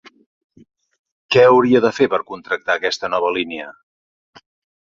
Què hauria de fer per contractar aquesta nova línia?